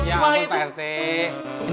ya ampun pak rt